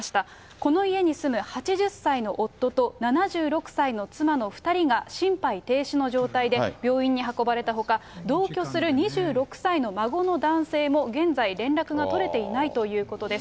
この家に住む８０歳の夫と７６歳の妻の２人が２人が心肺停止の状態で病院に運ばれたほか、同居する２６歳の孫の男性も現在、連絡が取れていないということです。